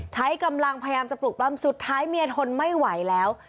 ใช้กำลังพยายามจะปลูกปล้ำสุดท้ายเมียทนไม่ไหวแล้ว